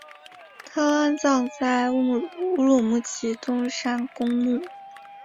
他安葬在乌鲁木齐东山公墓。